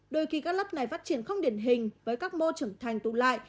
đôi khi các lớp này phát triển không điển hình với các mô trưởng thành tụ lại